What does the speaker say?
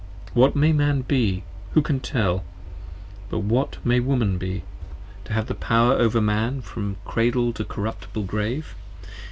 What may Man be? who can tell! But what may Woman be? To have power over Man from Cradle to corruptible Grave.